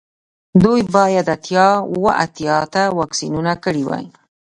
دوی باید اتیا اوه اتیا ته واکسینونه کړي وای